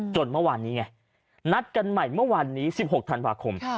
เมื่อวานนี้ไงนัดกันใหม่เมื่อวานนี้๑๖ธันวาคม